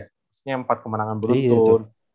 misalnya empat kemenangan beruntun